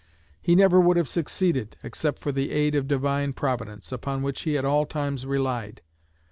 He never would have succeeded except for the aid of Divine Providence, upon which he at all times relied.